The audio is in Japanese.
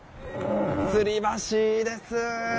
つり橋です。